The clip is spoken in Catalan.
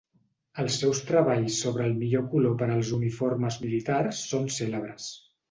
Els seus treballs sobre el millor color per als uniformes militars són cèlebres.